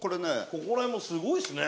ここら辺もすごいっすね。